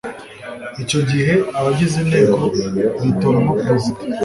icyo gihe abagize inteko bitoramo perezida